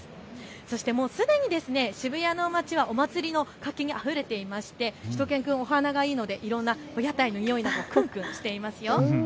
そしてもうすでに渋谷の街はお祭りの活気にあふれていましてしゅと犬くん、お鼻がいいのでいろんな屋台のにおいをくんくんしていますよ。